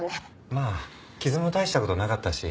まあ傷も大した事なかったし。